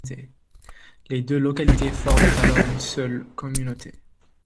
Les deux localités formaient alors une seule communauté.